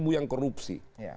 ada seribu yang korupsi